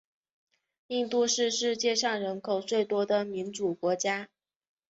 印度是世界上人口最多的民主国家。